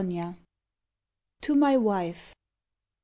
105 TO MY WIFE.